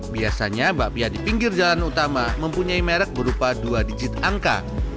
biasanya bakpia di pinggir jalan utama mempunyai merek berupa dua digit angka